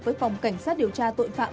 với phòng cảnh sát điều tra tội phạm